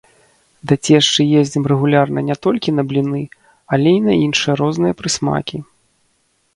Да цешчы ездзім рэгулярна не толькі на бліны, але і на іншыя розныя прысмакі.